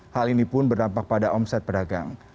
hal ini pun berdampak pada omset pedagang